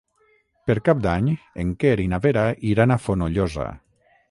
Per Cap d'Any en Quer i na Vera iran a Fonollosa.